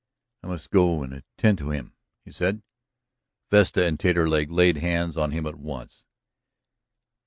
"I must go and attend to him," he said. Vesta and Taterleg laid hands on him at once.